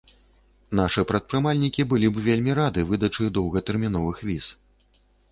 Нашы прадпрымальнікі былі б вельмі рады выдачы доўгатэрміновых віз.